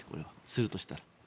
するとしたら。